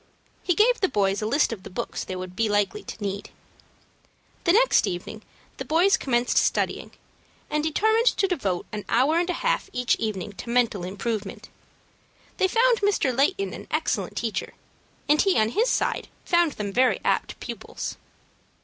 He gave the boys a list of the books they would be likely to need. The next evening the boys commenced studying, and determined to devote an hour and a half each evening to mental improvement. They found Mr. Layton an excellent teacher, and he on his side found them very apt pupils.